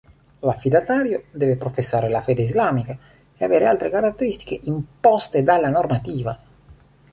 L'affidatario deve professare la fede islamica e avere altre caratteristiche imposte dalla normativa.